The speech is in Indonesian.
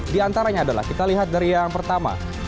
di antaranya adalah kita lihat dari yang pertama